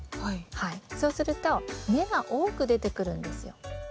そうすると根が多く出てくるんですよ。